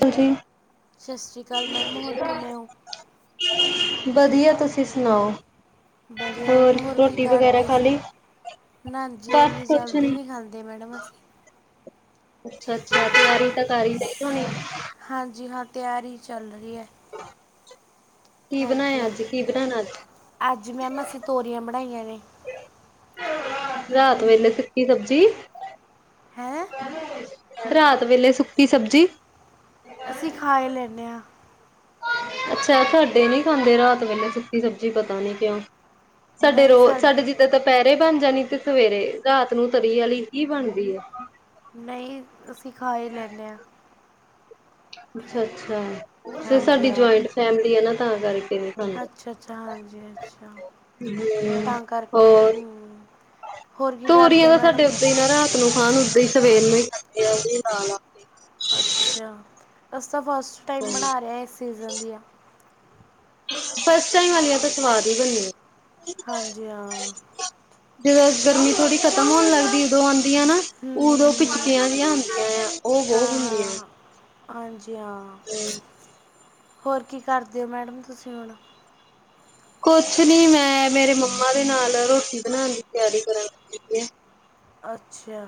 ਤੁਸੀ ਸਸ ਸ਼੍ਰੀ ਅਕਾਲ ਮੈਡਮ, ਹੋਰ ਕਿਵੇਂ ਓ? ਵਧੀਆ, ਤੁਸੀਂ ਸੁਨਾਓ। ਵਧੀਆ, ਓਨੂੰ ਹੋਰ ਕੀ ਕਰਦੇ ਖਾ ਸੀ? ਲਈ? ਨਾਂਜੀ, ਬਸ ਏਨੀ ਕੁਛ ਜਲਦੀ ਨੀ। ਨੀਂ ਖਾਂਦੇ ਮੈਡਮ ਅਸੀ। ਅੱਛਾ-ਅੱਛਾ, ਤਿਆਰੀ ਤਾਂ ਕਾਰੀ ਈ ਲਈ ਹੋਣੀ? ਹਾਂਜੀ ਹਾਂ, ਤਿਆਰੀ ਚੱਲ ਰਹੀ ਐ। [inaudible] ਕੀ ਬਣਾਇਆ ਹਾਂਜੀ, ਅੱ ਅੱਜ ਕੀ ਬਣਾਣਾ ਅੱਜ ਅੱਜ ਮੈਮ ਅਸੀਂ ਤੋਰੀਆਂ ਬਣਾਈਆਂ ਨੇ। ਰਾਤ ਵੇਲੇ ਸੁੱਕੀ ਸਬਜੀ। ਹੈਂ? ਰਾਤ ਵੇਲੇ ਸੁੱਕੀ ਸਬਜੀ? ਅਸੀਂ ਖਾ ਈ ਲੈਂਨੇ ਆਂ। ਅੱਛਾ, ਸਾਡੇ ਨੀ ਖਾਂਦੇ ਰਾਤ ਵੇਲੇ ਸੁੱਕੀ ਸਬਜੀ, ਪਤਾ ਨੀ ਕਿਉਂ। ਸਾਡੇ ਰੋ ਸਾਡੇ ਜੀ ਤੇ ਦੋਪੈਰੇ ਬਣ ਜਾਣੀ ਤੇ ਸਵੇਰੇ, ਰਾਤ ਨੂੰ ਤਰੀ ਆਲੀ ਹੀ ਬਣਦੀ ਏ। ਨਈਂ, ਅੱਸੀ ਖਾ ਈ ਲੈਂਨੇ ਆਂ। ਅੱਛਾ-ਅੱਛਾ, ਫੇ ਹਾਂਜੀ ਸਾਡੀ ਜੁਆਇੰਟ ਫੈਮਲੀ ਆ ਨਾ, ਤਾਂ ਕਰਕੇ। ਖਾਂਦੇ। ਅੱਛਾ-ਅੱਛਾ, ਹਾਂਜੀ ਅੱਛਾ, ਤਾਂ ਕਰਕੇ, ਹੋਰ ਹੂੰ। ਹੋਰ ਕੀ ਕਰਦੇ ਤੋਰੀਆਂ ਹੋ ਤਾਂ ਸਾਡੇ ਮੈਡਮ ਓ ਈ ਨਾ ਰਾਤ ਨੂੰ ਖਾਣ ਓਦਾਂ ਈਂ ਸਵੇਰ ਨੂੰ ਹੀ ਖਾਂਦੇ ਆ ਓ ਲਾ-ਲਾ। ਅੱਛਾ, ਅਸੀ ਤਾਂ ਫਸਟ ਟਾਈਮ ਬਣਾ ਰੇਆ, ਏਸ ਸੀਜਨ ਦੀਆਂ। ਫਸਟ ਟਾਈਮ ਵਾਲੀਆਂ ਤਾਂ ਸਵਾਦ ਈ ਬਣਨੀਆਂ। ਹਾਂਜੀ, ਹਾਂ। ਜਦੋਂ ਗਰਮੀ ਥੋੜੀ ਖਤਮ ਹੋਣ ਲਗਦੀ ਓਦੋਂ ਆਂਦੀ ਆ ਨਾ ਹਮ, ਉਦੋਂ ਹਮ, ਹਮ, ਪਿਚਕੀਆਂ ਦੀਆਂ ਹੁੰਦੀਆਂ ਯਾ, ਓ ਬੋਤ ਹਾਂ ਹੁੰਦੀਆਂ। ਹਾਂ ਹਾਂਜੀ ਹਾਂ, ਹੋਰ ਕੀ ਕਰਦੇ ਹੋ ਮੈਡਮ ਤੁਸੀਂ ਹੁਣ? ਕੋਛ ਨੀ ਮੈਂ ਮੇਰੇ ਮੰਮਾ ਦੇ ਨਾਲ ਰੋਟੀ ਬਣਾਣ ਦੀ ਤਿਆਰੀ ਕਰਨ ਲੱਗੀ ਦੀਆਂ। ਅੱਛਾ।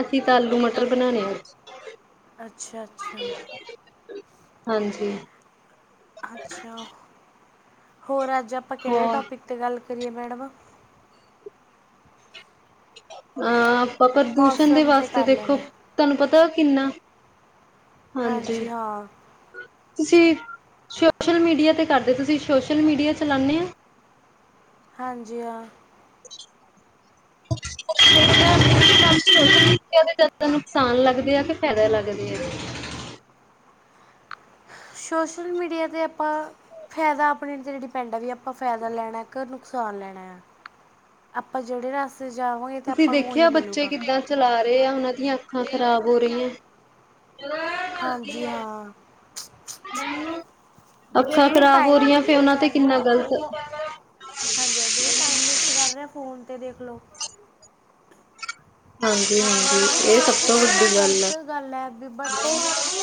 ਅਸੀਂ ਤਾ ਆਲੂ ਮਟਰ ਬਣਾਣੇ ਅੱਜ। ਅੱਛਾ-ਅੱਛਾ। ਹਾਂਜੀ। ਅੱਛਾ, ਹੋਰ ਅੱਜ ਆਪਾਂ ਕੇੜੇ ਹੋਰ ਟੋਪਿਕ 'ਤੇ ਗੱਲ ਕਰੀਏ ਮੈਡਮ? ਅਹ ਆਪਾਂ ਪ੍ਰਦੂਸ਼ਣ ਦੇ ਮੌਸਮ ਤੇ ਵਾਸਤੇ ਕਰ ਦੇਖੋ ਲੈਣੇ ਹਾਂ। ਤੁਆਨੂੰ ਪਤਾ ਕਿੰਨਾ, ਹਾਂਜੀ। ਤੁਸੀ ਸੋਸ਼ਲ ਮੀਡੀਆ ਤੇ ਕਰਦੇ, ਤੁਸੀਂ ਸੋਸ਼ਲ ਮੀਡੀਆ ਚਲਾਣੇ ਆਂ? ਹਾਂਜੀ, ਹਾਂ। [inaudible] [unintelligible] ਜਾਦਾ ਨੁਕਸਾਨ ਲੱਗਦੇ ਆ ਕਿ ਫੈਦੇ ਲੱਗਦੇ ਆ? ਸੋਸ਼ਲ ਮੀਡੀਆ ਤੇ ਆਪਾ ਫੈਦਾ ਅਪਣੇ ਤੇ ਡਿਪੈਂਡ ਆ ਵੀ ਆਪਾਂ ਫੈਦਾ ਲੈਣਾ ਕ ਨੁਕਸਾਨ ਲੈਣਾ ਆ। ਆਪਾਂ ਜੇੜੇ ਰਾਸਤੇ ਜਾਵਾਂਗੇ ਤੇ ਤੁਸੀਂ ਆਪਾਂ ਨੂੰ ਓਹੀ ਦੇਖਿਆ ਬੱਚੇ ਮਿਲੂਗਾ। ਕਿੱਦਾਂ ਚਲਾ ਰੇਆ ਉਨਾਂ ਦੀਆਂ ਅੱਖਾਂ ਖਰਾਬ ਹੋ ਰਹੀਆਂ। ਹਾਂਜੀ, ਹਾਂ [inaudible] ਅੱਖਾਂ ਜਿਹੜੇ ਖ਼ਰਾਬ ਹੋ ਟਾਈਮ ਰਹੀਆਂ ਫਿਰ ਵੇਸਟ ਉਹਨਾਂ ਤੇ ਕਰ ਰਹੇ ਕਿੰਨਾ ਆ ਗ਼ਲਤ ਉਹ, ਹਾਂਜੀ ਜਿਹੜੇ ਟਾਈਮ ਵੇਸਟ ਕਰ ਰਿਹਾ ਫੋਨ ਤੇ ਦੇਖ ਲੋ ਹਾਂਜੀ [unintelligible] ਤੇ ਉਹ ਤਾਂ ਗਲਤ ਗੱਲ ਐ ਵੀ ਬਟ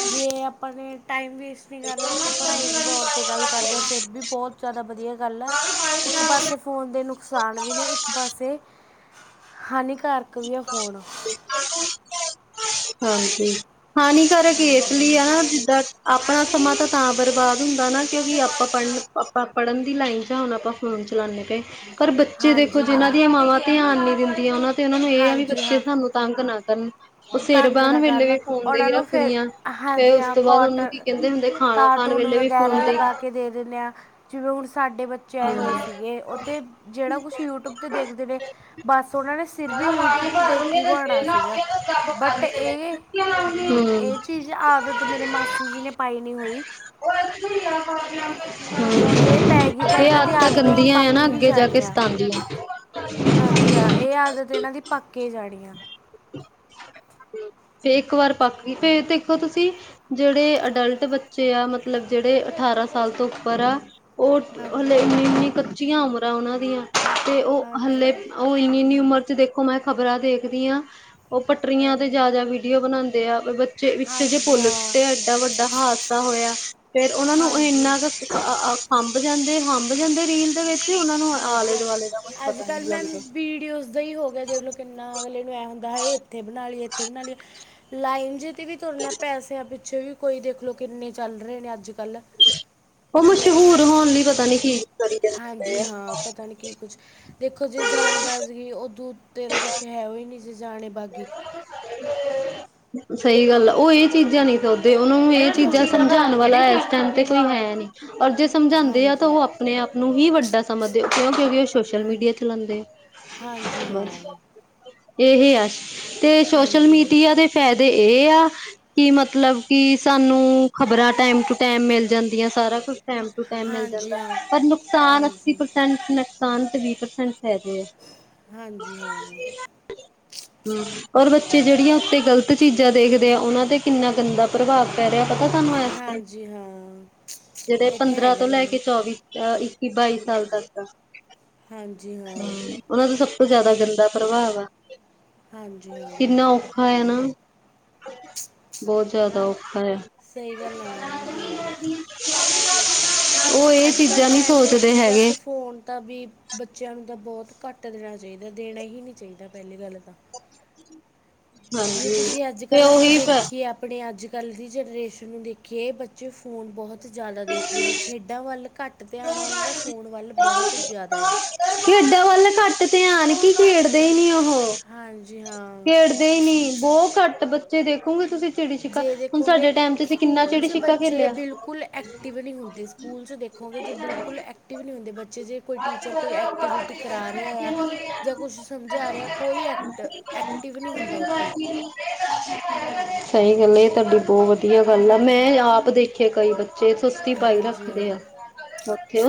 ਜੇ ਆਪਾ ਨੇ ਟਾਈਮ ਵੇਸ ਗੱਲ ਆਪਾਂ ਪੜ੍ਹਾਈ ਦੇ ਤੌਰ ਤੇ ਗੱਲ ਕਰਦੇ ਆ ਫੇਰ ਵੀ ਬਹੁਤ ਜਿਆਦਾ ਵਧੀਆ ਗੱਲ ਆ ਇੱਕ ਪਾਸੇ ਫੋਨ ਦੇ ਨੁਕਸਾਨ ਵੀ ਨੇ ਇੱਕ ਪਾਸੇ, ਹਾਨੀਕਾਰਕ ਵੀ ਆ ਫੋਨ ਹਾਂਜੀ ਹਾਨੀਕਾਰਕ ਏਸ ਹਾਂਜੀ ਹਾਂ ਲਈ ਆ ਜਿੱਦਾਂ ਆਪਣਾ ਸਮਾਂ ਤਾਂ ਬਰਬਾਦ ਹੁੰਦਾ ਨਾ ਕਿਉਂਕਿ ਆਪਾਂ ਪੜ੍ਹਨ ਆਪਾਂ ਪੜ੍ਹਨ ਦੀ ਲਾਈਨ ਚ ਹੁਣ ਆਪਾਂ ਫੋਨ ਚਲਾਣੇ ਪੇ ਪਰ ਬੱਚੇ ਦੇਖੋ ਹਾਂਜੀ ਹਾਂ ਜਿਨਾਂ ਦੀਆਂ ਮਾਵਾਂ ਧਿਆਨ ਨੀ ਦਿੰਦੀਆਂ ਉਹਨਾਂ ਤੇ ਉਹਨਾਂ ਨੂੰ ਇਹ ਆ ਵੀ ਹਾਂਜੀ ਬੱਚੇ ਹਾਂ ਸਾਨੂੰ ਤੰਗ ਨਾ ਕਰਨ ਉਹ ਸਿਰ ਤੰਗ ਬਾਣ ਨਾ ਵੇਲੇ ਕਰਨ ਵੀ ਫੋਨ ਦੇ ਉਹਨਾਂ ਹੀ ਨੂੰ ਫਿਰ ਰੱਖਦੀਆਂ ਫੇਰ ਹਾਂਜੀ ਉਸ ਹਾਂ ਤੋਂ ਬਾਅਦ ਉਹਨੂੰ ਕੋਟਨ ਕੀ ਕਹਿੰਦੇ ਹੁੰਦੇ ਖਾਣਾ ਖਾਣ ਕਾਰਟੂਨ ਵੇਲੇ ਵੀ ਵਗੈਰਾ ਫੋਨ ਤੇ ਲਗਾ ਕੇ ਦੇ ਦਿਣੇ ਆ ਜਿਵੇਂ ਹੁਣ ਸਾਡੇ ਬੱਚੇ ਆਏ ਹੋਏ ਸੀਗੇ ਉਹਤੇ ਜਿਹੜਾ ਕੁਛ ਯੂਟਿਊਬ ਤੇ ਦੇਖਦੇ ਨੇ ਬਸ ਉਹਨਾਂ ਨੇ ਸਿਰ ਵੀ ਯੂਟਿਊਬ ਤੇ ਦੇਖ ਕੇ ਹੀ ਬਾਣਾ ਸੀਗਾ ਬਟ ਇਹ ਇਹ ਚੀਜ਼ ਆਦਤ ਮੇਰੀ ਮਾਸੀ ਜੀ ਨੇ ਪਾਈ ਨੀਂ ਹੋਈ ਹੂੰ, ਵੀ ਜੇ ਪੈ ਗਈ ਤਾਂ ਇਹ ਇਹਨਾਂ ਦੀ ਆਦਤਾਂ ਆਦਤ ਹੀ ਗੰਦੀਆਂ ਆ ਪੱਕ ਨਾ ਹੀ ਅੱਗੇ ਜਾ ਕੇ ਜਾਣੀ ਆ ਆਂਦੀ ਐ ਹਾਂਜੀ ਹਾਂ ਇਹ ਆਦਤ ਇਹਨਾਂ ਦੀ ਪੱਕ ਏ ਜਾਣੀ ਆ ਫੇਰ ਇੱਕ ਵਾਰ ਪੱਕ ਗਈ ਫੇਰ ਦੇਖੋ ਤੁਸੀਂ ਜਿਹੜੇ ਅਡਲਟ ਬੱਚੇ ਆ ਮਤਲਬ ਜਿਹੜੇ ਅਠਾਰਾਂ ਸਾਲ ਤੋਂ ਉੱਪਰ ਆ ਉਹ ਹਾਂਜੀ ਹਲੇ ਹਾਂ ਇਨੀ ਇਨੀ ਕੱਚੀਆਂ ਉਮਰਾਂ ਉਹਨਾਂ ਦੀਆਂ ਤੇ ਉਹ ਹਾਂਜੀ ਹਲੇ ਹਾਂ, ਉਹ ਇੰਨੀ ਇਨੀ ਉਮਰ ਚ ਦੇਖੋ ਮੈਂ ਖ਼ਬਰਾਂ ਦੇਖਦੀ ਆ ਉਹ ਪੱਟਰੀਆਂ ਤੇ ਹਾਂਜੀ ਜਾ-ਜਾ ਵੀਡੀਓ ਬਣਾਂਦੇ ਆ ਵਿੱਚ ਜੇ ਹਾਂਜੀ ਹਾਂ [unintelligible] ਐਡਾ ਵੱਡਾ ਹਾਦਸਾ ਹੋਇਆ ਫੇਰ ਉਹਨਾ ਨੂੰ ਹਾਂਜੀ ਇੰਨਾ ਕ ਹ ਹੰਭ ਜਾਂਦੇ ਹੰਭ ਜਾਂਦੇ ਰੀਲ ਦੇ ਵਿੱਚ ਹੀ ਉਹਨਾਂ ਨੂੰ ਆਲੇ ਹਾਂਜੀ ਦੁਆਲੇ ਦਾ ਕੁਛ ਅੱਜ ਪਤਾ ਨਈ ਕੱਲ੍ਹ ਮੈਮ ਲੱਗਦਾ ਵੀਡੀਓਜ਼ ਦਾ ਹੀ ਹੋ ਗਿਆ ਦੇਖਲੋ ਕਿੰਨਾ ਅਗਲੇ ਨੂੰ ਐ ਹੁੰਦਾ ਇੱਥੇ ਬਣਾ ਲਈਏ ਇੱਥੇ ਬਣਾ ਲਈਏ ਲਾਈਨ ਤੇ ਵੀ ਤੁਰਨਾ ਪੈਸਿਆਂ ਪਿੱਛੇ ਵੀ ਕੋਈ ਦੇਖ ਲਓ ਕਿੰਨੇ ਚੱਲ ਰਹੇ ਨੇ ਅੱਜ ਕੱਲ ਉਹ ਮਸ਼ਹੂਰ ਹੋਣ ਲਈ ਪਤਾ ਨੀ ਕੀ ਕਰੀ ਜਾਂਦੇ ਪਏ ਹਾਂਜੀ, ਆ। ਹਾਂ ਪਤਾ ਨੀ ਕੀ ਕੁਛ ਦੇਖੋ ਜੇ ਜਾਣ ਬਾਜ ਗਈ ਉਦੋ ਉਤੇ ਤਾਂ ਕੁਛ ਹੈਓ ਨੀਂ ਜੇ ਜਾਣ ਬਾਗੀ। ਸਹੀ ਗੱਲ ਆ, ਉਹ ਏਹ ਚੀਜ਼ਾਂ ਨੀ ਸੋਚ ਦੇ ਉਹਨੂੰ ਇਹ ਚੀਜ਼ਾਂ ਹਾਂਜੀ ਹਾਂ ਸਮਝਾਣ ਵਾਲਾ ਇਸ ਟੈਮ ਤੇ ਕੋਈ ਹੈ ਨੀ ਔਰ ਜਿਸ ਸਮਝਾਂਦੇ ਆ ਤਾਂ ਹਾਂਜੀ ਉਹ ਆਪਣੇ ਆਪ ਨੂੰ ਹੀ ਵੱਡਾ ਸਮਝਦੇ ਕਿਉਂ ਕਿਉਂਕਿ ਉਹ ਸੋਸ਼ਲ ਮੀਡੀਆ ਹਾਂਜੀ ਚਲਾਂਦੇ ਆ ਹਾਂਜੀ ਹਾਂ। ਏਹੇ ਆ ਤੇ ਸੋਸ਼ਲ ਹਾਂਜੀ ਮੀਡੀਆ ਦੇ ਫਾਇਦੇ ਏਹ ਆ ਕੀ ਮਤਲਬ ਕਿ ਸਾਨੂੰ ਖਬਰਾਂ ਟੈਮ ਟੂ ਟੈਮ ਮਿਲ ਜਾਂਦੀਆਂ ਸਾਰਾ ਕੁ ਟੈਮ ਟੂ ਮਿਲ ਹਾਂਜੀ ਜਾਂਦਾ‌ ਹਾਂ ਪਰ ਨੁਕਸਾਨ ਅੱਸੀ ਹਾਂਜੀ ਪ੍ਰਸੈਂਟ ਨੁਕਸਾਨ ਤੇ ਵੀਹ ਪ੍ਰਸੈਂਟ ਫਾਇਦੇ ਆ। ਹਾਂਜੀ, ਹਾਂ। ਹਾ ਔਰ ਬੱਚੇ ਜਿਹੜੀਆਂ ਉੱਤੇ ਗ਼ਲਤ ਚੀਜ਼ਾਂ ਦੇਖਦੇ ਆ ਉਨਾ ਤੇ ਕਿੰਨਾ ਗੰਦਾ ਪ੍ਰਭਾਵ ਪੈ ਰਿਹਾ ਪਤਾ ਤੁਹਾਨੂੰ ਏਸ ਬਾਰੇ ਹਾਂਜੀ ਹਾਂ ਜਿਹੜੇ ਇਹ ਤਾਂ ਪੰਦਰਾਂ ਹੈਗਾ ਤੋਂ ਲੈ ਕੇ ਮੈਡਮ ਚੌਵੀ। ਇੱਕੀ, ਬਾਈ ਸਾਲ ਤੱਕ ਆ, ਹਾਂਜੀ ਹਾਂ ਹੂੰ। ਉਹਨਾ ਦਾ ਸਭ ਤੋਂ ਜਿਆਦਾ ਗੰਦਾ ਪ੍ਰਭਾਵ ਆ। ਹਾਂਜੀ ਹਾਂ ਕਿੰਨਾ ਔਖਾ ਹੈ ਨਾ ਬਹੁਤ ਜ਼ਿਆਦਾ ਔਖਾ ਹੈ। ਸਹੀ ਗੱਲ ਹੈ ਮੈਡਮ ਹਾਂਜੀ। ਉਹ ਏ ਅੱਜ ਕੱਲ੍ਹ ਚੀਜ਼ਾਂ ਤਾਂ ਨਹੀਂ ਐਵੇਂ ਹੋ ਸੋਚਦੇ ਗਿਆ ਵੀ ਬਸ ਹੈਗੇ। ਫੋਨ ਤਾਂ ਵੀ ਬੱਚਿਆਂ ਨੂੰ ਤਾਂ ਬਹੁਤ ਘੱਟ ਦੇਣਾ ਚਾਹੀਦਾ ਦੇਣਾ ਹੀ ਨਹੀਂ ਚਾਹੀਦਾ ਪਹਿਲੀ ਗੱਲ ਤਾਂ। ਜੇ ਹਾਂਜੀ ਤੁਸੀਂ ਅੱਜ ਤੇ ਕੱਲ੍ਹ ਆਪਾਂ ਉਹੀ ਦੇਖੀਏ ਆਪਣੇ ਅੱਜ ਕੱਲ੍ਹ ਦੀ ਜਨਰੇਸ਼ਨ ਨੂੰ ਦੇਖੀਏ ਬੱਚੇ ਫੋਨ ਬਹੁਤ ਬਹੁਤ ਜ਼ਿਆਦਾ ਦੇਖਦੇ ਨੇ ਖੇਡਾਂ ਵੱਲ ਘੱਟ ਧਿਆਨ ਆ ਉਹਨਾਂ ਦਾ ਫੋਨ ਵੱਲ ਬਹੁਤ ਜ਼ਿਆਦਾ ਆ। ਖੇਡਾਂ ਵੱਲ ਘੱਟ ਧਿਆਨ ਕੀ ਖੇਡਦੇ ਹੀ ਨੀ ਉਹ। ਹਾਂਜੀ ਹਾਂ। [unintelligible] ਨੀ ਬਹੁਤ ਘੱਟ ਬੱਚੇ ਦੇਖੋਗੇ ਤੁਸੀਂ ਚਿੜੀ ਛਿੱਕਾ ਜੇ ਹੁਣ ਦੇਖੋਗੇ ਸਾਡੇ ਟਾਈਮ ਤੇ ਅਸੀਂ ਕਿੰਨਾ ਸਕੂਲ ਚਿੜੀ ਚ ਛਿੱਕਾ ਬੱਚੇ ਬਿਲਕੁਲ ਐਕਟਿਵ ਨਹੀਂ ਹੁੰਦੇ ਸਕੂਲ ਚ ਦੇਖੋਗੇ ਜੇ ਬਿਲਕੁਲ ਐਕਟਿਵ ਨਹੀਂ ਹੁੰਦੇ ਬੱਚੇ ਜੇ ਕੋਈ ਟੀਚਰ ਕੋਈ ਐਕਟੀਵਿਟੀ ਕਰਾ ਰਿਹਾ ਆ ਜਾਂ ਖੇਲਿਆ ਕੁਛ ਸਮਝਾ ਰਿਹਾ ਕੋਈ ਐਕਟ ਐਕਟਿਵ ਨਹੀਂ ਹੁੰਦਾ ਉੱਥੇ। ਸਹੀ ਗੱਲ ਹੈ [unintelligible] ਬਹੁਤ ਵਧੀਆ ਗੱਲ ਏ ਮੈਂ ਆਪ ਦੇਖਿਆ ਕਈ ਬੱਚੇ ਚੇ ਸੁਸਤੀ ਪਾਈ ਹਾਂਜੀ ਹਾਂ ਰੱਖਦੇ ਆ [unintelligible]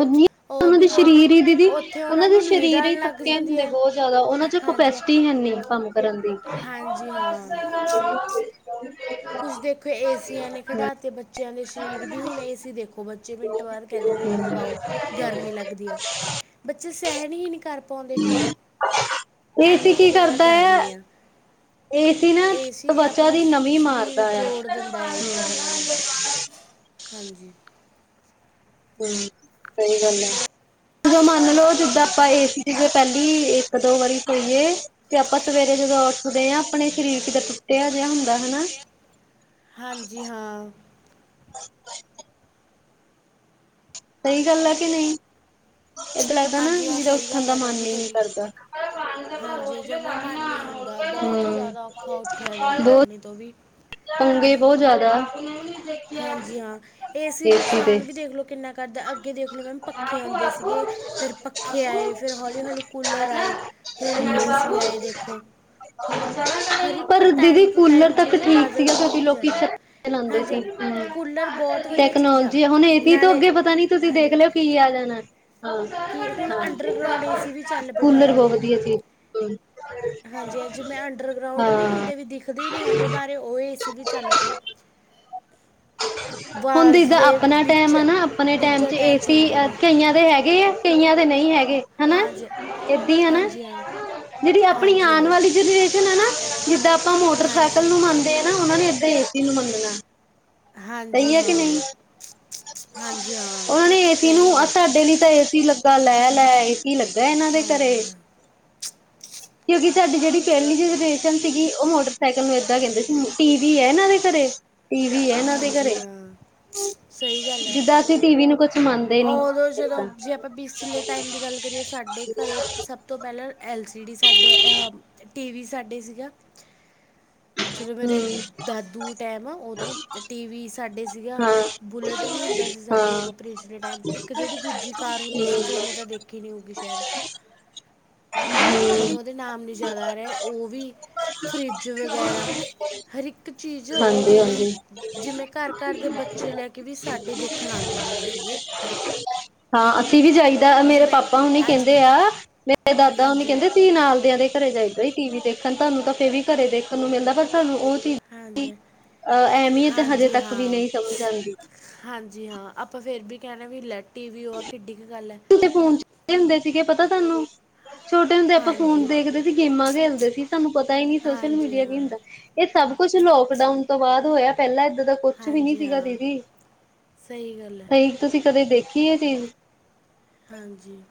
ਉਹਨਾਂ ਦੇ ਉਹਦੀ ਉੱਥੇ ਸਰੀਰ ਹੀ ਦੀਦੀ ਉੱਥੇ ਉਹਨਾਂ ਦੇ ਨੂੰ ਨੀਂਦ ਸਰੀਰ ਹੀ ਆਉਣ ਲੱਗ ਥੱਕੇ ਜਾਂਦੀ ਹੁੰਦੇ ਹੈ ਬਹੁਤ ਜ਼ਿਆਦਾ ਉਹਨਾਂ ਚ ਹਾਂਜੀ ਹਾਂ। ਕਪੈਸ ਟੀ ਹੈਨੀ ਕੰਮ ਕਰਨ ਦੀ ਹਾਂਜੀ ਹਾਂ ਕੁਝ ਦੇਖੋ ਏਸੀਆਂ ਨੇ ਘਟਾ ਤੇ ਬੱਚ ਬੱਚਿਆਂ ਦੇ ਸਰੀਰ ਵੀ ਹੁਣ ਏ ਸੀ ਦੇਖੋ ਬੱਚੇ ਮਿੰਟ ਬਾਅਦ ਕਹਿੰਦੇ ਨੇ ਲਗਾਓ ਗਰਮੀ ਲੱ ਗਦੀ ਆ ਬੱਚੇ ਸਹਿਣ ਹੀ ਨੀ ਕਰ ਪਾਉਂਦੇ ਏਸੀ ਇਨੀ ਕੁ ਕੀ ਜ਼ਿਆਦਾ ਕਰਦਾ ਹੈ ਗਰਮੀ ਆ। ਏਸੀ ਨਾ ਏ ਸੀ ਤਵਚਾ ਆਪਣਾ ਦੀ ਨਮੀ ਸ਼ਰੀਰ ਮਾਰਦਾ ਆ ਜੋੜ ਦਿੰਦਾ ਹੈ ਇੱਕ ਤਰ੍ਹਾਂ ਦਾ। ਹਾਂਜੀ। ਹਮ ਸਹੀ ਗੱਲ ਹੈ ਜਦੋਂ ਮੰਨ ਲਓ ਜਿੱਦਾਂ ਹਾਂਜੀ ਆਪਾਂ ਏ ਸੀ ਚੀਜ਼ ਪਹਿਲੀ ਇੱਕ ਦੋ ਵਾਰੀ ਸੋਈਏ ਤੇ ਆਪਾਂ ਸਵੇਰੇ ਜਦੋਂ ਉੱਠਦੇ ਹਾਂ ਆਪਣੇ ਸ਼ਰੀਰ ਕਿਦਾ ਟੁੱਟਿਆ ਜਿਹਾ ਹੁੰਦਾ ਹਨਾ ਹਾਂਜੀ ਹਾਂ। ਸਹੀ ਗੱਲ ਹੈ ਕਿ ਨਹੀਂ? ਏਦਾਂ ਲੱਗਦਾ ਨਾ ਹਾਂਜੀ ਹਾਂ ਜਿਦਾਂ ਸਹੀ ਉੱਠਣ ਗੱਲ ਦਾ ਹੈ ਮਨ ਮੈਡਮ ਹੀ ਨੀ ਤੁਹਾਡੀ ਕਰਦਾ। ਹਾਂਜੀ ਜਮਾ ਮਨ ਨਹੀਂ ਹੁੰਦਾ ਬਹੁਤ ਹਮ ਜ਼ਿਆਦਾ ਔਖਾ ਉੱਠਿਆ ਜਾਂਦਾ ਬਹ ਆਪਣੇ ਤੋਂ ਵੀ [unintelligible] ਬਹੁਤ ਜ਼ਿਆਦਾ। ਹਾਂਜੀ ਹਾਂ ਏ ਸੀ ਏਸੀ ਦੇ। ਨੁਕਸਾਨ ਵੀ ਦੇਖ ਲਓ ਕਿੰਨਾ ਕ ਰਦਾ ਅੱਗੇ ਦੇਖ ਲਓ ਮੈਮ ਪੱਖੇ ਹੋਓਂਦੇ ਸੀਗੇ ਫੇਰ ਪੱਖੇ ਆਏ ਫੇਰ ਹੌਲੀ ਹੌਲੀ ਕੂਲਰ ਆਏ ਹੁਣ ਏਸੀ ਆਏ ਦੇਖੋ। ਹਰ ਇੱਕ ਪਰ ਦੀਦੀ ਟਾਈਮ ਟੂ ਕੂਲਰ ਟਾਈਮ ਤੱਕ ਚੀਜ਼ ਠੀਕ ਸੀਗਾ ਬਦਲਦੀ ਸਬੀ ਹੀ ਲੋਕੀ ਜਾਂਦੀ ਲਉਦੇ ਹਾਂਜੀ ਸੀ ਹਮ ਕੂਲਰ ਬਹੁਤ ਵਧੀਆ ਚੀਜ਼ ਆ ਟੈਕਨੋਲਜੀ ਹੁਣ ਏਸੀ ਤੋਂ ਨਾਲੇ ਅੱਗੇ ਪਤਾ ਪਤਾ ਨੀ ਤੁਸੀਂ ਦੇਖ ਹਾਂਜੀ ਲਿਓ ਕੀ ਆ ਜਾਣਾ। ਹਾਂ ਕਿ ਹੁਣ ਹਾਂ ਅੰਡਰਗਰਾਊਂਡ ਏ ਸੀ ਵੀ ਚੱਲ ਪਏ ਕੂਲਰ ਬਹੁਤ ਵਧੀਆ ਸੀ [unintelligible] ਹਾਂਜੀਹਾਂਜੀ ਜਿਵੇਂ ਅੰਡਰਗਰਾਉਂਡ ਨੀ ਹਾਂ ਹੁੰਦੇ ਵੀ ਦਿਖਦੇ ਹੀ ਨੀ ਹੈਗੇ ਬਾਹਰੇ ਉਹ ਏ ਸੀ ਵੀ ਚੱਲ ਪਏ। ਹੁਣ ਵਾਲਸ ਜਿੱਦਾਂ ਦੇ ਆਪਣਾ ਵਿੱਚ ਟੈਮ ਐ ਨਾ ਆਪਣੇ ਵਿੱਚ ਟੈਮ ਚ ਏ ਅਟੈਚ ਸੀ ਹੁੰਦੇ ਨੇ ਕਈਆਂ ਦੇ ਹੈਗੇ ਐ ਕਈਆਂ ਦੇ ਨਹੀਂ ਹੈਗੇ। ਹੈਨਾ ਹਾਂਜੀ ਏਦੀ ਏ ਨਾ ਹਾਂਜੀ ਹਾਂ ਜਿਹੜੀ ਆਪਣੀ ਹਾਂਜੀ ਆਉਣ ਹਾਂ ਵਾਲੀ ਜਨਰੇਸ਼ਨ ਨਾ ਜਿੱਦਾਂ ਆਪਾਂ ਮੋਟਰਸਾਈਕਲ ਹਾਂਜੀ ਨੂੰ ਮੰਗਦੇ ਆ ਨਾ ਉਹਨਾ ਨੇ ਏਦਾਂ ਏ ਸੀ ਨੂੰ ਮੰਗਨਾ। ਹਾਂਜੀ ਹਾਂ। ਹਾਂਜੀ ਉਹਨਾਂ ਨੇ ਹਾਂ ਏਸੀ ਸਹੀ ਨੂੰ ਗੱਲ ਅ ਹੈ ਸਾਡੇ ਲਈ ਤਾਂ ਏਸੀ ਲੱ ਗਾ ਲੈ ਲੈ ਏਸੀ ਲੱਗਾ ਇਹਨਾਂ ਦੇ ਘਰੇ ਹਾਂਜੀ ਹਾਂ ਕਿਉਂਕਿ ਸਾਡੀ ਜਿਹੜੀ ਪਹਿਲੀ ਜਨਰੇਸ਼ਨ ਸੀਗੀ ਉਹ ਮੋਟਰਸਾਈਕਲ ਨੂੰ ਏਦਾਂ ਹਾਂਜੀ ਕਹਿੰਦੇ ਸੀ ਮ ਟੀਵੀ ਐ ਇਹਨਾ ਦੇ ਘਰੇ ਟੀ ਵੀ ਹੈ ਇਹਨਾਂ ਦੇ ਹਾਂਜੀ ਘਰੇ ਹਾਂ ਸਹੀ ਗੱਲ ਐ ਜਿੱਦਾਂ ਅਸੀਂ ਟੀਵੀ ਨੂੰ ਕੁਛ ਮੰਨ ਉਦੋਂ ਜਦੋਂ ਜੇ ਆਪਾਂ ਪਿਸਲੇ ਟਾਇਮ ਦੀ ਗੱਲ ਕਰੀਏ ਸਾਡੇ ਘਰ ਸਭ ਤੋਂ ਪਹਿਲਾਂ ਐਲ ਸੀਡੀ ਸਾਡੇ ਅ ਟੀ ਵੀ ਸਾਡੇ ਸੀਗਾ ਜਦੋਂ ਮੇਰੇ ਹਮ ਦਾਦੂ ਟੈਮ ਉਦੋਂ ਟੀਵੀ ਸਾਡੇ ਸੀਗਾ ਹਾਂ ਬੁਲੇਟ ਵੀ ਹੁੰਦਾ ਸੀ ਸਾਡੇ ਹਾਂ ਉਦੋਂ ਪਰੇਸਨੇ ਟੈਮ ਇੱਕ ਜਿਹੜੀ ਦੂਜੀ ਕਾਰ ਹੁੰਦੀ ਸੀ ਥੋਨੇ ਤਾਂ ਦੇਖੀ ਨੀ ਹੋਊਗੀ ਸ਼ੈਦ [unintelligible] ਮੈਨੂੰ ਉਹਦੇ ਨਾਮ ਨੀ ਯਾਦ ਆ ਰਿਹਾ ਉਹ ਵੀ ਫਰਿੱਜ ਵਗੈਰਾ ਹਰ ਇਕ ਚੀਜ਼ ਹਾਂਜੀ ਉਦੋਂ ਵੀ ਹਾਂਜੀ ਜਿਵੇਂ ਘਰ ਘਰ ਦੇ ਬੱਚੇ ਲੈਕੇ ਵੀ ਸਾਡੇ ਦੇਖਣ ਆਦੇ ਹੁੰਦੇ ਸੀਗੇ ਹਾਂ ਅਸੀਂ ਵੀ ਜਾਈ ਵੀ ਮੇਰੇ ਜਿਵੇਂ ਪਾਪਾ ਹੋਨੀ ਅੱਜ ਕਹਿੰਦੇ ਕੱਲ੍ਹ ਆ ਮੇਰੇ ਦਾਦਾ ਹੋਨੀ ਹਾਂਜੀ, ਕਹਿੰਦੇ ਸੀਂ ਨਾਲਦਿਆਂ ਦੇ ਘਰੇ ਜਾਈ [unintelligible] ਟੀਵੀ ਦੇਖਣ ਤੁਹਾਨੂੰ ਤਾਂ ਫੇਰ ਵੀ ਘਰੇ ਦੇਖਣ ਨੂੰ ਮਿਲਦਾ ਪਰ ਸਾਨੂੰ ਉਹ ਚੀਜ ਦੀ ਹਾਂਜੀ, ਅ ਅਹਿਮੀਅਤ ਹਜੇ ਹਾਂਜੀ ਤੱਕ ਵੀ ਹਾਂ, ਨਹੀ ਸਮਝ ਆਂਦੀ ਹਾਂਜੀ ਹਾਂ ਆਪਾਂ ਫੇਰ ਵੀ ਕਹਿਣੇ ਆ ਵੀ ਲੈ ਟੀਵੀ ਓ ਆ ਕਿੱਡੀ ਕ ਗੱਲ ਐ ਤੁਸੀਂ ਫੋਨ ਚ ਵੀ ਹੁੰਦੇ ਸੀਗੇ ਪਤਾ ਤੁਹਾਨੂੰ ਛੋਟੇ ਹੁੰਦੇ ਆਪਾਂ ਫੋਨ ਹਾਂਜੀ, ਦੇਖਦੇ ਸੀ ਗੇਮਾਂ ਖੇਲਦੇ ਸੀ ਸਾਨੂੰ ਪਤਾ ਈ ਨੀ ਸੋਸ਼ਲ ਹਾਂਜੀ ਮੀਡੀਆ ਕੀ ਹਾਂ, ਹੁੰਦਾ ਇਹ ਸਭ ਕੁਛ ਲੋਕਡਾਊਨ ਤੋਂ ਬਾਅਦ ਹੋਇਆ ਪਹਿਲਾਂ ਇੱਦਾਂ ਦਾ ਕੁਛ ਵੀ ਨੀ ਹਾਂਜੀ ਸੀਗਾ ਹਾਂ, ਦੀਦੀ ਸਹੀ ਗੱਲ ਐ। ਨਹੀਂ ਤੁਸੀਂ ਕਦੇ ਦੇਖੀ ਇਹ ਚੀਜ਼ ਹਾਂਜੀ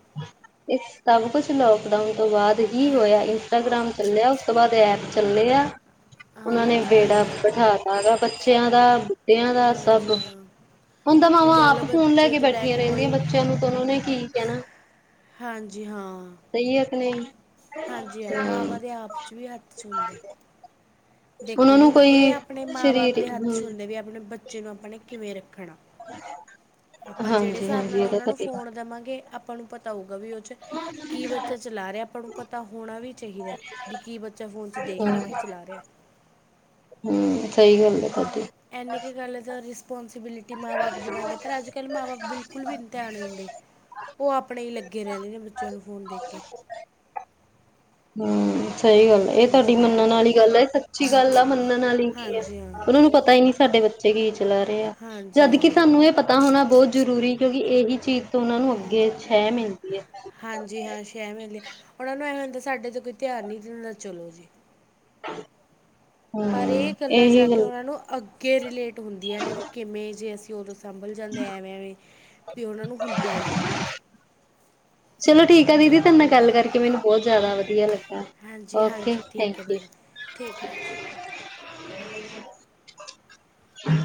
ਇਹ ਸਭ ਕੁਛ ਲੌਕਡਾਊਨ ਤੋਂ ਬਾਅਦ ਹੀ ਹੋਇਆ ਹਾਂਜੀ, ਇੰਸਟਾਗ੍ਰਾਮ ਚੱਲਿਆ ਉਸ ਤੋਂ ਬਾਅਦ ਐ ਐਪ ਚੱਲੇ ਆ ਉਹਨਾਂ ਨੇ ਹਾਂਜੀ ਬੇੜਾ ਹਾਂ, ਬਠਾਤਾ ਗਾ ਬੱਚਿਆਂ ਦਾ ਬੁੱਢਿਆਂ ਦਾ ਸਭ ਹਾਂਜੀ ਹਾਂ। ਹੁਣ ਤਾਂ ਮਾਵਾਂ ਦੇਖ ਆਪ ਲੋ ਫੋਨ ਲੈ ਬੱਚੇ ਕੇ ਤੋਂ ਬੈਠੀਆਂ ਰਹਿੰਦੀਆਂ ਕੋਈ ਬੱਚਿਆਂ ਨੂੰ ਉਹਨੋ ਨੇ ਕੀ ਕਹਿਣਾ ਹਾਂਜੀ ਹਾਂ, ਸਹੀ ਐ ਕਿ ਨਹੀਂ ਹਾਂਜੀ ਹਾਂ ਹਮ ਮਾਵਾਂ ਦੇ ਆਪ ਚ ਵੀ ਹੱਥ ਚ ਹੁੰਦੈ ਦੇਖੋ ਉਹਨਾਂ ਨੂੰ ਹੁਣ ਇਹ ਕੋਈ ਆਪਣੇ ਮਾਂ-ਬਾਪ ਸਰੀਰ ਦੇ ਹੱਥ ਚ ਹਮ ਹੁੰਦਾ ਵੀ ਆਪਣੇ ਬੱਚੇ ਨੂੰ ਆਪਾਂ ਨੇ ਕਿਵੇਂ ਰੱਖਣਾ ਆਪਾਂ ਜਿਹੜੇ ਹਾਂਜੀ ਹਿਸਾਬ ਹਾਂਜੀ ਨਾਲ ਇਹਦਾ ਉਹਨਾਂ ਤਾਂ ਨੂੰ ਠੀਕ ਫੋਨ ਦਵਾਂਗੇ ਆਪਾਂ ਨੂੰ ਪਤਾ ਹੋਊਗਾ ਵੀ ਉਹ ਚ ਕੀ ਬੱਚਾ ਚਲਾ ਰਿਹਾ ਆਪਾਂ ਨੂੰ ਪਤਾ ਹੋਣਾ ਵੀ ਚਾਹੀਦੈ ਵੀ ਕੀ ਬੱਚਾ ਫੋਨ ਚ ਦੇਖ ਰਿਹਾ ਕੀ ਚਲਾ ਰਿਹਾ ਹੂੰ ਸਹੀ ਗੱਲ ਐ ਤੁਹਾਡੀ ਇੰਨੀ ਕ ਗੱਲ ਐ ਤਾਂ ਰਿਸਪੋਂਸੀਬਿਲਿਟੀ ਮਾਂ ਬਾਪ ਦੀ ਬਣਦੀ ਆ ਪਰ ਅੱਜ ਕੱਲ ਮਾਂ ਬਾਪ ਬਿਲਕੁਲ ਵੀ ਧਿਆਨ ਨੀ ਦਿੰਦੇ, ਉਹ ਆਪਣੇ ਹੀ ਲੱਗੇ ਰਹਿੰਦੇ ਨੇ ਬੱਚਿਆਂ ਨੂੰ ਫੋਨ ਦੇ ਕੇ ਹੂੰ ਸਹੀ ਗੱਲ ਏ‌ ਇਹ ਤੁਹਾਡੀ ਹਾਂਜੀ ਮੈਡਮ ਮੰਨਣ ਵਾਲੀ ਗੱਲ ਐ ਇਹ ਸੱਚੀ ਗੱਲ ਆ ਮੰਨਣ ਵਾਲੀ ਕੀ ਆ ਹਾਂਜੀ ਹਾਂ ਉਹਨਾਂ ਨੂੰ ਪਤਾ ਹੀ ਨੀ ਸਾਡੇ ਬੱਚੇ ਕੀ ਚਲਾ ਰਹੇ ਆ ਹਾਂਜੀ ਜਦਕਿ ਹਾਂ ਸਾਨੂੰ ਇਹ ਪ ਤਾ ਹੋਣਾ ਬਹੁਤ ਜ਼ਰੂਰੀ ਕਿਉਂਕਿ ਇਹੀ ਚੀਜ਼ ਤੋਂ ਉਹਨਾ ਨੂੰ ਅੱਗੇ ਛਾਇਆ ਮਿਲਦੀ ਐ ਹਾਂਜੀ ਹਾਂ ਸ਼ੈਅ ਮਿਲ ਉਹਨਾਂ ਨੂੰ ਐਵੇਂ ਹੁੰਦਾ ਸਾਡੇ ਤੇ ਕੋਈ ਧਿਆਨ ਨਹੀਂ ਦਿੰ ਚਲੋ ਜੀ [inaudible] ਪਰ ਹੂੰ ਇਹ ਗੱਲਾਂ ਇਹੀ ਜਾ ਕੇ ਗੱਲ ਉਹਨਾਂ ਨੂੰ ਅੱਗੇ ਰਿਲੇਟ ਹੁੰਦੀਆਂ ਵੀ ਕਿਵੇਂ ਜੇ ਅਸੀਂ ਉਦੋਂ ਸੰਭਲ ਜਾਂਦੇ ਐਵੇਂ ਐਵੇਂ ਵੀ ਉਹਨਾਂ ਨੂੰ ਹੁੰਦਾ ਆ ਚਲੋ ਠੀਕ ਆ ਦੀਦੀ ਤਾਨ ਨਾਲ ਗੱਲ ਕਰਕੇ ਮੈਨੂੰ ਬੌਤ ਜਆਦਾ ਵਧੀਆ ਲੱਗਾ। ਹਾਂਜੀ ਓਕੇ ਹਾਂਜੀ ਠੀਕ ਏ ਥੈਂਕ ਯੂ। ਮੈਡਮ ਠੀਕ ਐ ਜੀ।